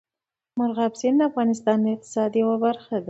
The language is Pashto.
مورغاب سیند د افغانستان د اقتصاد یوه برخه ده.